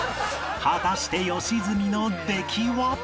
果たして良純の出来は？